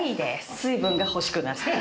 水分が欲しくなる。